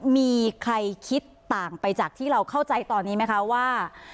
มีใครคิดต่างไปจากที่เราเข้าใจตอนนี้ไหมคะว่า